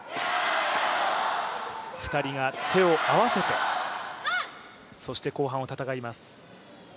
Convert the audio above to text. ２人が手を合わせてそして後半を戦います。